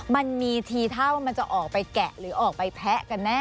มันมีทีท่าว่ามันจะออกไปแกะหรือออกไปแพะกันแน่